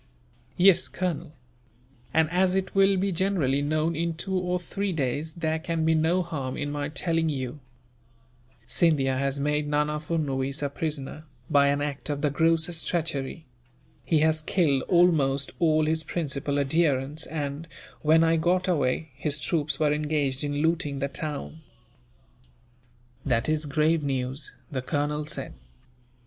"Yes, Colonel; and as it will be generally known in two or three days, there can be no harm in my telling you. Scindia has made Nana Furnuwees a prisoner, by an act of the grossest treachery. He has killed almost all his principal adherents and, when I got away, his troops were engaged in looting the town." "That is grave news," the colonel said.